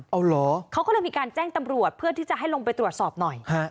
เอาเหรอเขาก็เลยมีการแจ้งตำรวจเพื่อที่จะให้ลงไปตรวจสอบหน่อยฮะ